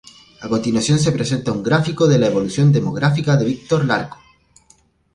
A continuación se presenta un gráfico de la evolución demográfica de Víctor Larco.